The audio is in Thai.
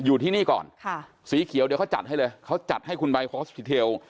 อยู่ที่นี่ก่อนค่ะสีเขียวเดี๋ยวเขาจัดให้เลยเขาจัดให้คุณใบฮอสทิเทล